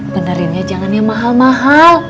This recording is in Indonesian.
benerinnya jangan yang mahal mahal